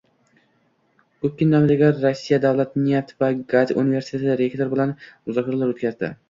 Gubkin nomidagi Rossiya davlat neft va gaz universiteti rektori bilan muzokaralar o‘tkazdi